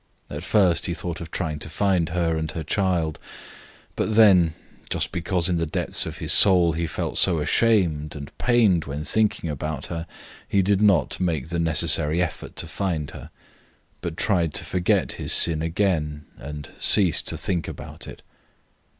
At first he thought of trying to find her and her child, but then, just because in the depths of his soul he felt so ashamed and pained when thinking about her, he did not make the necessary effort to find her, but tried to forget his sin again and ceased to think about it.